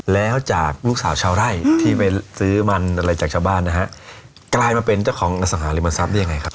แล้วจากลูกสาวชาวไร่ที่ไปซื้อมันอะไรจากชาวบ้านนะฮะกลายมาเป็นเจ้าของอสังหาริมทรัพย์ได้ยังไงครับ